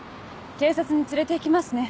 警察に連れて行きますね。